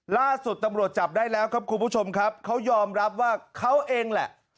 ล่าสุดตำรวจจับได้แล้วครับคุณผู้ชมครับเขายอมรับว่าเขาเองแหละ